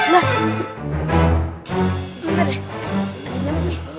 aduh nyaman ya